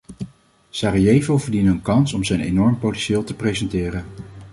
Sarajevo verdient een kans om zijn enorme potentieel te presenteren.